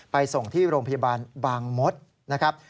ไปส่งที่โรงพยาบาลบางมดนะครับ